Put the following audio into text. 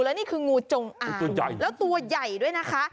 แล้วนี่คืองูจงอางแล้วตัวใหญ่ด้วยนะคะ